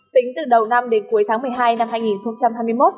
tính từ đầu năm đến cuối tháng một mươi hai năm hai nghìn hai mươi một